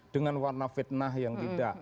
dengan warna fitnah yang tidak